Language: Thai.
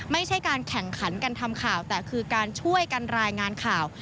ไม่ใช่การแข่งขันกันทำข่าวแต่คือการช่วยกันรายงานข่าว